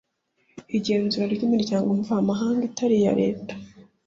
igenzura ry imiryango mvamahanga itari iya leta